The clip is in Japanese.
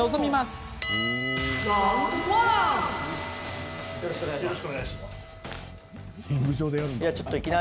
よろしくお願いします。